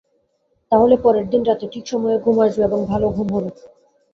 তাহলে পরের দিন রাতে ঠিক সময়ে ঘুম আসবে এবং ভালো ঘুম হবে।